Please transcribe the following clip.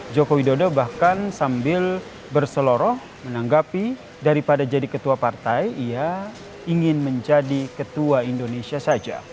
joko widodo bahkan sambil berseloroh menanggapi daripada jadi ketua partai ia ingin menjadi ketua indonesia saja